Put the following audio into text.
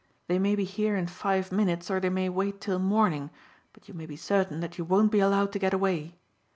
They may be here in five minutes or they may wait till morning, but you may be certain that you won't be allowed to get away.